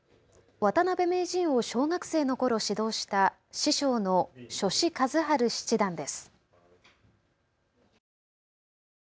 渡辺名人を小学生のころ指導した師匠の所司和晴七段です。